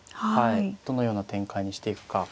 どのような展開にしていくか。